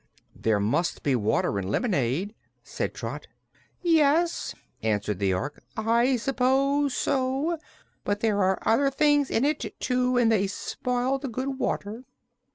"There must be water in lemonade," said Trot. "Yes," answered the Ork, "I suppose so; but there are other things in it, too, and they spoil the good water."